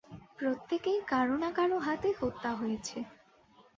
প্রত্যেকেই কারো না কারো হাতে হত্যা হয়েছে।